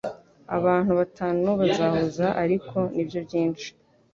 Abantu batanu bazahuza, ariko nibyo byinshi